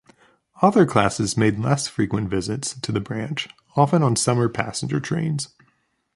Other classes made less frequent visits to the branch, often on summer passenger trains.